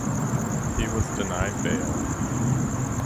He was denied bail.